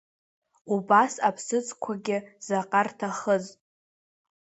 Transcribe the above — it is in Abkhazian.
Убас аԥсыӡқәагьы заҟа рҭахыз.